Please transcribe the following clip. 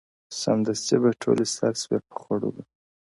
سمدستي به ټولي سر سوې په خوړلو -